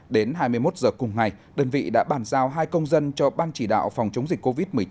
đến hai mươi một giờ cùng ngày đơn vị đã bàn giao hai công dân cho ban chỉ đạo phòng chống dịch covid một mươi chín